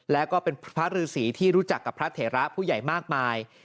แล้วก็เป็นพระฤษีที่รู้จักกับพระเถระผู้ใหญ่มากมาย